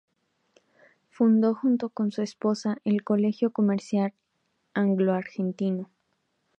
Fundó junto con su esposa el Colegio Comercial Anglo Argentino.